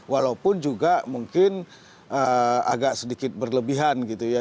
walaupun juga mungkin agak sedikit berlebihan gitu ya